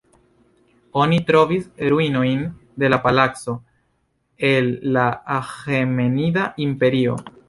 Oni trovis ruinojn de palaco el la Aĥemenida Imperio.